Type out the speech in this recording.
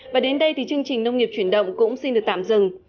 và đến đây thì chương trình nông nghiệp chuyển động cũng xin được tạm dừng